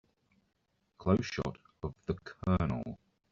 Close shot of the COLONEL.